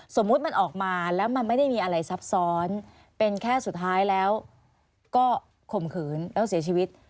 สมมุติมันออกมาแล้วมันไม่ได้มีอะไรซับซ้อนเป็นแค่สุดท้ายแล้วก็ข่มขืนแล้วเสียชีวิต